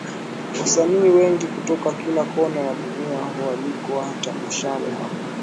Wasanii wengi kutoka kila Kona ya dunia hualikwa tamashani hapo